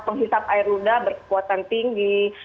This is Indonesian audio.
penghisap air luda berkekuatan tinggi